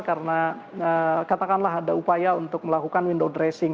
karena katakanlah ada upaya untuk melakukan window dressing